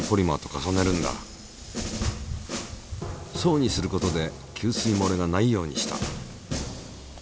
層にすることで吸水もれがないようにした。